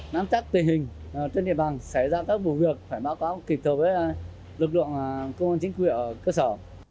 nắm chắc tình hình trên địa bàn xảy ra các vụ việc phải báo cáo kịp thời với lực lượng công an chính quyền ở cơ sở